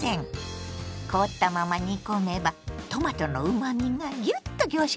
凍ったまま煮込めばトマトのうまみがギュッと凝縮されるわよ。